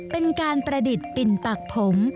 เป็นการตระดิดปิ่นปักผม